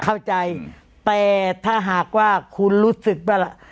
เข้าใจแต่ถ้าหากว่าคุณรู้สึกป่ะล่ะ